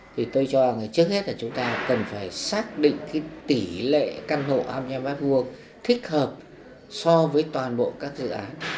thì tôi cho rằng là trước hết là chúng ta cần phải xác định cái tỷ lệ căn hộ am nha bát vuông thích hợp so với toàn bộ các dự án